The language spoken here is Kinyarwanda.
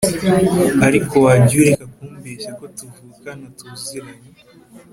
Ariko wagiye ureka kumbeshya ko tuvukana tuziranye